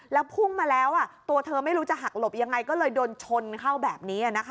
แล้วพุ่งมาแล้วตัวเธอไม่รู้จะหักหลบยังไงก็เลยโดนชนเข้าแบบนี้